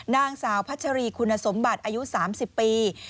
นางสาวพัชรีคุณสมบัติอายุ๓๐ปี